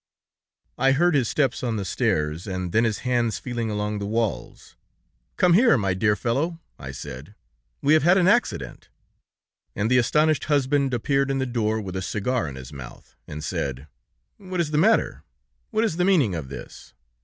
"I heard his steps on the stairs, and then his hands feeling along the walls. 'Come here, my dear fellow,' I said, 'we have had an accident.' "And the astonished husband appeared in the door with a cigar in his mouth, and said: 'What is the matter? What is the meaning of this?'